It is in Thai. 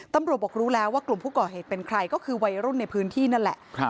บอกรู้แล้วว่ากลุ่มผู้ก่อเหตุเป็นใครก็คือวัยรุ่นในพื้นที่นั่นแหละ